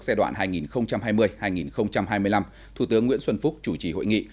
giai đoạn hai nghìn hai mươi hai nghìn hai mươi năm thủ tướng nguyễn xuân phúc chủ trì hội nghị